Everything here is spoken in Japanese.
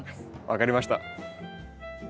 分かりました。